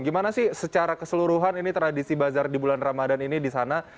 gimana sih secara keseluruhan ini tradisi bazar di bulan ramadhan ini disana